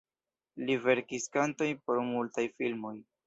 Li verkis kantojn por multaj filmoj.